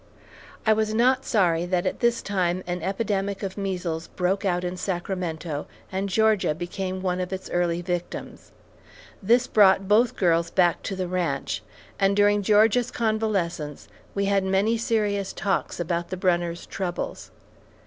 I was not sorry that at this time an epidemic of measles broke out in Sacramento, and Georgia became one of its early victims. This brought both girls back to the ranch, and during Georgia's convalescence, we had many serious talks about the Brunners' troubles.